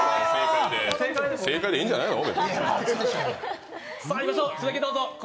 正解でいいんじゃないの？